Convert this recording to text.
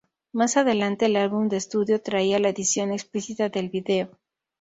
Más adelante el álbum de estudio traía la edición "explícita" del vídeo.